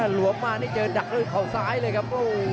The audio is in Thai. หลวมมานี่เจอดักด้วยเขาซ้ายเลยครับ